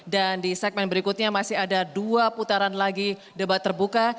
dan di segmen berikutnya masih ada dua putaran lagi debat terbuka